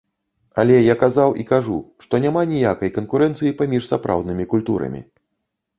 Але я казаў і кажу, што няма ніякай канкурэнцыі паміж сапраўднымі культурамі.